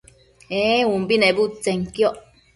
ee umbi nebudtsenquioc